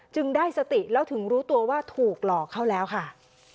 ได้สติแล้วถึงรู้ตัวว่าถูกหลอกเข้าแล้วค่ะ